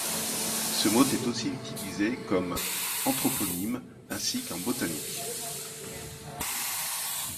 Ce mot est aussi utilisé comme anthroponyme, ainsi qu'en botanique.